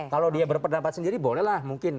kalau dia berpendapat sendiri bolehlah mungkin